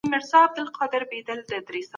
موږ خپلې ټولې هڅي د فابریکو لپاره کوو.